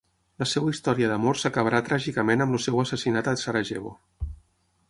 La seva història d'amor s'acabarà tràgicament amb el seu assassinat a Sarajevo.